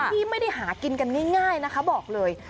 ที่ไม่ได้หากินกันง่ายนะคะบอกเลย